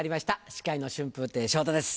司会の春風亭昇太です